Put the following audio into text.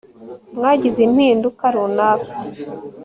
Mwagize impinduka runaka